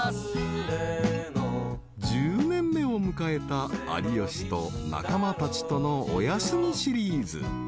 ［１０年目を迎えた有吉と仲間たちとのお休みシリーズ］